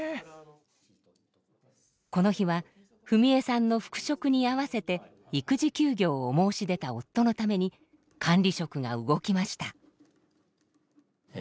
この日は史衣さんの復職に合わせて育児休業を申し出た夫のために管理職が動きました。